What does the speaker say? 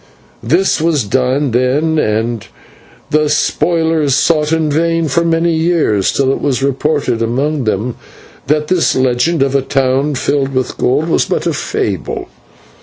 This was done then, and the spoilers sought in vain for many years, till it was reported among them that this legend of a town filled with gold was but a fable.